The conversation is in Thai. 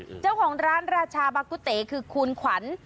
เออเออเจ้าของร้านราชาบักกุเตะคือคุณขวัญ